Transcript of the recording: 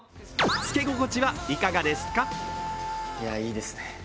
つけ心地はいかがですか？